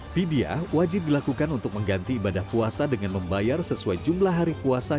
vidya wajib dilakukan untuk mengganti ibadah puasa dengan membayar sesuai jumlah hari puasa